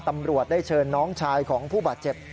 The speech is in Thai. ตำรวจได้เชิญน้องชายของผู้บาดเจ็บ